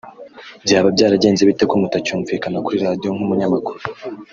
Byaba byaragenze bite ko mutacyumvikana kuri Radiyo nk’umunyamakuru